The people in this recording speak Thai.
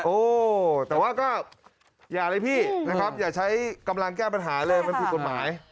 โอ้แต่ว่าก็อย่าเลยพี่นะครับอย่าใช้กำลังแก้ปัญหาเลยมันผิดกฎหมาย